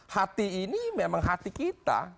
hati ini memang hati kita